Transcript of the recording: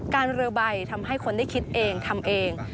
เรือใบทำให้คนได้คิดเองทำเอง